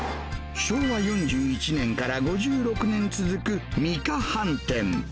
昭和４１年から５６年続く、美華飯店。